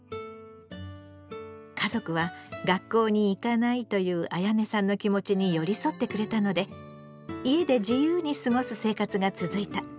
家族は「学校に行かない」というあやねさんの気持ちに寄り添ってくれたので家で自由に過ごす生活が続いた。